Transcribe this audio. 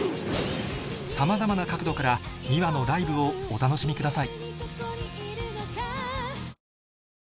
さまざまな角度からｍｉｗａのライブをお楽しみください